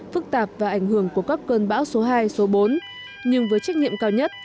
phức tạp và ảnh hưởng của các cơn bão số hai số bốn nhưng với trách nhiệm cao nhất